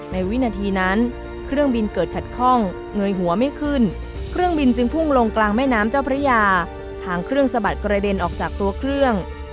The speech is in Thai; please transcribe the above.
วินาทีนั้นเครื่องบินเกิดขัดข้องเงยหัวไม่ขึ้นเครื่องบินจึงพุ่งลงกลางแม่น้ำเจ้าพระยาหางเครื่องสะบัดกระเด็นออกจากตัวเครื่อง